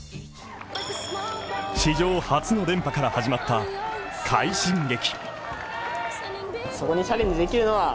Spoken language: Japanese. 史上初の連覇から始まった快進撃。